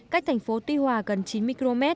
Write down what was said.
cách thành phố tuy hòa gần chín mươi km